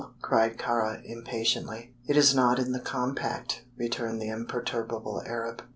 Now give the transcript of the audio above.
cried Kāra, impatiently. "It is not in the compact," returned the imperturbable Arab.